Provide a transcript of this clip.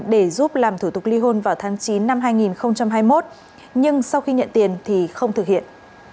để giúp làm thủ tục ly hôn vào tháng chín năm hai nghìn hai mươi một nhưng sau khi nhận tiền thì không thực hiện